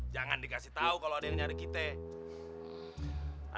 jangan dikasih tau kalo ada yang nyari kita